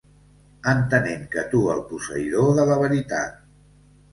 Entenent que tu el posseïdor de la veritat.